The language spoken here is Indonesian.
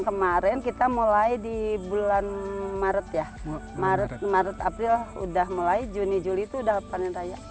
kemarin kita mulai di bulan maret ya maret april udah mulai juni juli itu udah panen raya